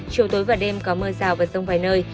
chiều tối và đêm có mưa rào và rông vài nơi